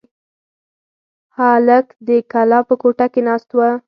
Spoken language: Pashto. هلک د کلا په کوټه کې ناست و.